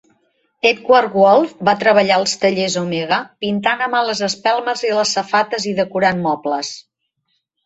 Edward Wolfe va treballar als tallers Omega, pintant a mà les espelmes i les safates i decorant mobles.